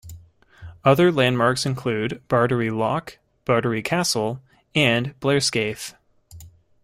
Other landmarks include Bardowie Loch, Bardowie Castle and Blairskaith.